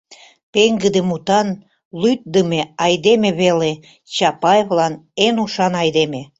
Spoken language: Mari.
Пеҥгыде мутан, лӱддымӧ айдеме веле — Чапаевлан эн ушан айдеме.